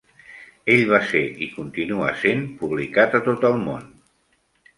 Ell va ser i continua sent publicat a tot el món.